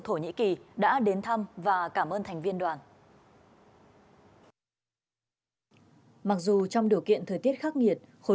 thổ nhĩ kỳ đã đến thăm và cảm ơn thành viên đoàn mặc dù trong điều kiện thời tiết khắc nghiệt khối